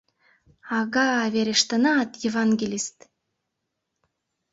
Ага, верештынат, евангелист!..